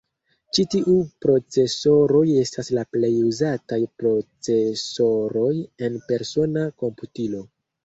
Ĉi tiu procesoroj estas la plej uzataj procesoroj en persona komputilo.